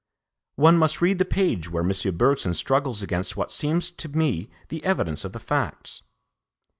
One must read the page where M. Bergson struggles against what seems to me the evidence of the facts.